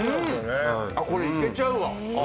これいけちゃうわ。